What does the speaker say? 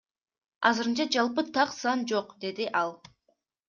Азырынча жалпы так сан жок, — деди ал.